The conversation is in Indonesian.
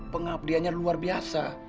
pengabdiannya luar biasa